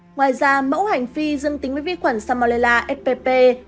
ngoài ra mẫu hành phi dương tính với vi khuẩn samolella spp